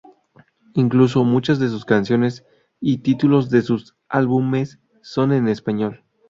Incluso, muchas de sus canciones y títulos de sus álbumes son en español.